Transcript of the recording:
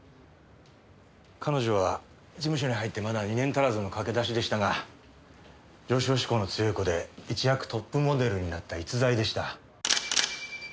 彼女は事務所に入ってまだ２年足らずの駆け出しでしたが上昇志向の強い子で一躍トップモデルになった逸材でした。